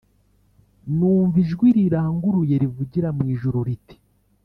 Numva ijwi riranguruye rivugira mu ijuru riti